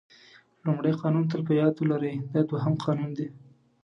لومړی قانون تل په یاد ولرئ دا دوهم قانون دی.